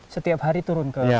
setiap hari turun ke